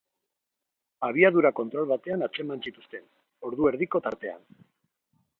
Abiadura-kontrol batean atzeman zituzten, ordu erdiko tartean.